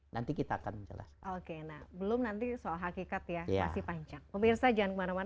nanti kita akan menjelaskan